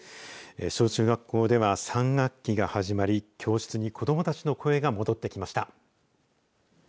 小中学校では３学期が始まり教室に子どもたちの声が戻ってきました。